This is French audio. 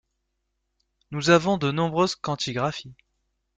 Nous avons de nombreuses quantigraphies